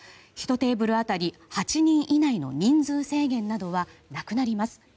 １テーブル当たり８人以内の人数制限などはなくなります。